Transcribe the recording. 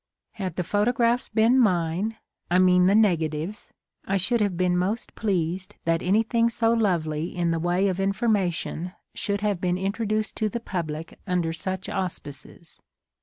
Had the photographs been mine (I mean the neg atives) , I should have been most pleased that anything so lovely in the way of information should have been introduced to the public under such auspices.